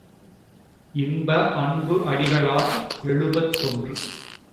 இன்ப அன்பு அடிகளார் எழுபத்தொன்று.